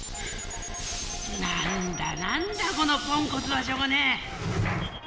なんだなんだこのポンコツはしょうがねえ！